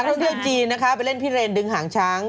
ท่องเที่ยวจีนนะคะไปเล่นพิเรนดึงหางช้าง